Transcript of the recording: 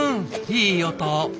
いい音。